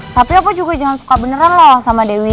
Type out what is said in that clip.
tapi aku juga jangan suka beneran loh sama dewi